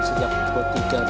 sejak dua puluh tiga dini hari